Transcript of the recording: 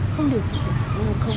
khi mà điều trị vẩy nén á sừng không ạ